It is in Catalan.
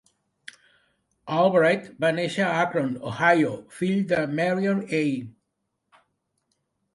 Albright va néixer a Akron, Ohio, fill de Marion A.